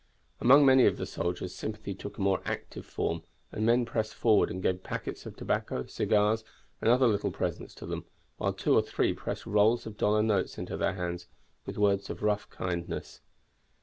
Among many of the soldiers sympathy took a more active form, and men pressed forward and gave packets of tobacco, cigars, and other little presents to them, while two or three pressed rolls of dollar notes into their hands, with words of rough kindness.